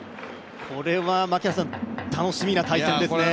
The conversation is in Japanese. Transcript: これは楽しみな対戦ですね。